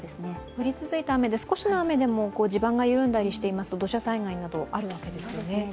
降り続いた雨で少しの雨でも地盤が緩んでいたりすると土砂災害などがあるわけですよね。